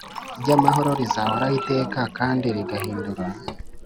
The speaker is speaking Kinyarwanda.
ry’amahoro, rizahoraho iteka kandi rigahindura